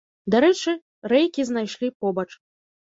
Дарэчы, рэйкі знайшлі побач.